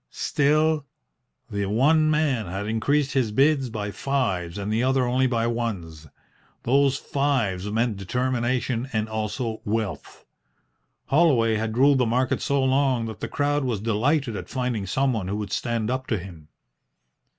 Still, the one man had increased his bids by fives and the other only by ones. Those fives meant determination and also wealth. Holloway had ruled the market so long that the crowd was delighted at finding someone who would stand up to him.